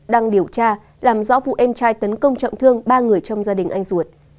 đang điều tra làm rõ vụ em trai tấn công trọng thương ba người trong gia đình anh ruột